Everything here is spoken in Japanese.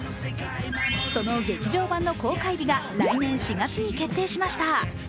その劇場版の公開日が来年４月に決定しました。